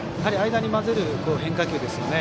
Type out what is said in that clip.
間に交ぜる変化球ですね。